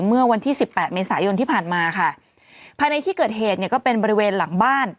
เมื่อวันที่สิบแปดเมษายนที่ผ่านมาค่ะภายในที่เกิดเหตุเนี่ยก็เป็นบริเวณหลังบ้าน